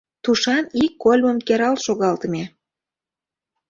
Тушан ик кольмым керал шогалтыме.